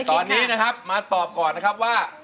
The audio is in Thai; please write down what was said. ตัดสินใจตอนนี้นะครับมาตอบก่อนนะครับว่า